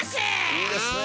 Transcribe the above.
いいですね。